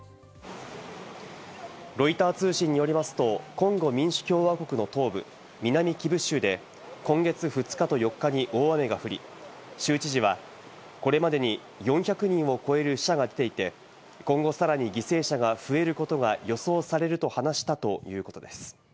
ロイター通信によりますとコンゴ民主共和国の東部、南キブ州で今月２日と４日に大雨が降り、州知事はこれまでに４００人を超える死者が出ていて、今後さらに犠牲者が増えることが予想されると話したということです。